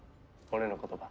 俺の言葉。